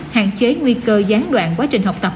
hạn chế nguy cơ gián đoạn quá trình học tập